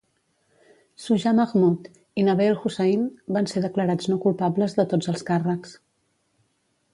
Shujah Mahmood i Nabeel Hussain van ser declarats no culpables de tots els càrrecs.